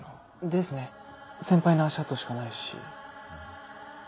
ですね先輩の足跡しかないし。